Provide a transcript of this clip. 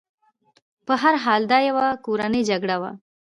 په هر حال دا یوه کورنۍ جګړه وه.